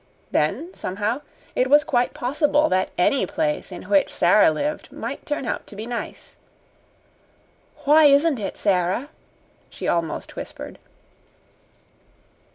Then, somehow, it was quite possible that any place in which Sara lived might turn out to be nice. "Why isn't it, Sara?" she almost whispered.